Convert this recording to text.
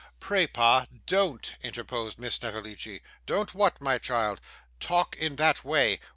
'Pray, pa, don't,' interposed Miss Snevellicci. 'Don't what, my child?' 'Talk in that way.